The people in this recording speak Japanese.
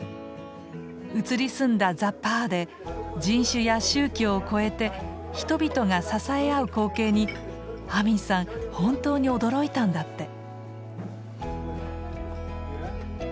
移り住んだザ・パーで人種や宗教を超えて人々が支え合う光景にアミンさん本当に驚いたんだって。